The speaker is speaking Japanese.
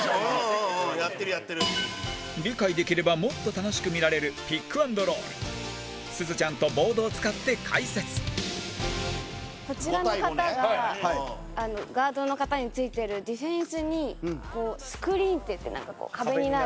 理解できればもっと楽しく見られるピック＆ロールすずちゃんとボードを使って、解説こちらの方がガードの方についてるディフェンスにスクリーンっていって壁になる。